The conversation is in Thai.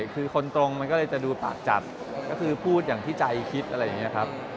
คือคนตรงมันก็เลยจะดูปากจับก็คือพูดอย่างที่ใจคิดอะไรอย่างนี้ครับ